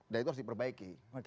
dan itu harus diperbaiki